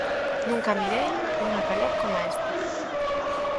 Nunca mirei unha calor coma esta.